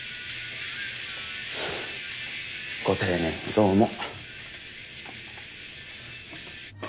ご丁寧にどうも。